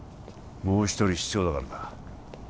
もう一人必要だからだ